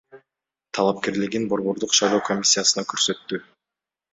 талапкерлигин Борбордук шайлоо комиссиясына көрсөттү.